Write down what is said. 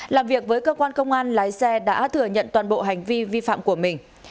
làm việc với cơ quan công an lái xe đã thừa nhận toàn bộ hành vi vi phạm của mình